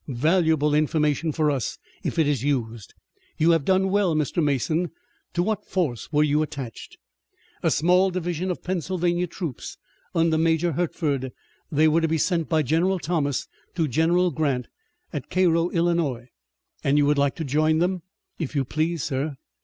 Valuable information for us, if it is used. You have done well, Mr. Mason. To what force were you attached?" "A small division of Pennsylvania troops under Major Hertford. They were to be sent by General Thomas to General Grant at Cairo, Illinois." "And you would like to join them." "If you please, sir."